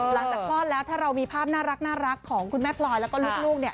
หลังจากพ่อแล้วถ้าเรามีภาพน่ารักน่ารักของคุณแม่พลอยแล้วก็ลูกเนี้ย